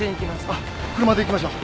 あっ車で行きましょう。